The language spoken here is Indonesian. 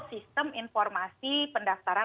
sistem informasi pendaftaran